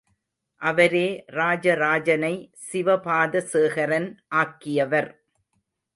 அவரே ராஜராஜனை சிவபாத சேகரன் ஆக்கியவர்.